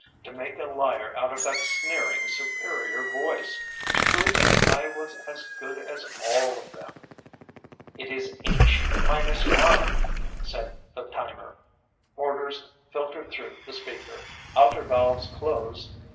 To make a liar out of that sneering, superior voice. To prove that I was as good as all of them. "It is H minus one," said the timer. Orders filtered through the speaker. "_Outer valves closed.